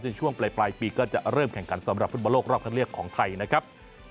ในช่วงปลายปีก็จะเริ่มแข่งขันสำหรับฟุตบอลโลกรอบคันเลือกของไทยนะครับ